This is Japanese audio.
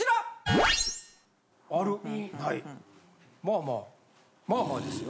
まあまあまあまあですよ。